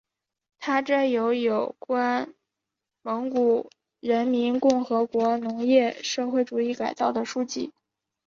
他着有有关蒙古人民共和国农业社会主义改造的书籍。